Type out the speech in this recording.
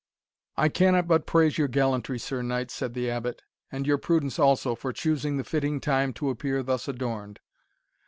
"I cannot but praise your gallantry, Sir Knight," said the Abbot, "and your prudence, also, for choosing the fitting time to appear thus adorned.